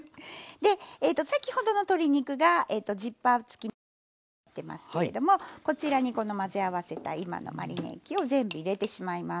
で先ほどの鶏肉がジッパー付きの袋に入ってますけれどもこちらにこの混ぜ合わせた今のマリネ液を全部入れてしまいます。